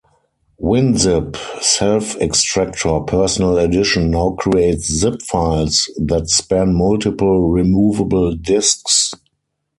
WinZip Self-Extractor Personal Edition now creates Zip files that span multiple removable disks.